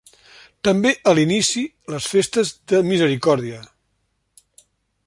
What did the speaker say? També a l'inici les Festes de Misericòrdia.